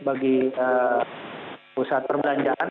bagi pusat perbelanjaan